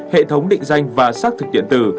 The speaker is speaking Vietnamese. hệ thống định danh và xác thực điện tử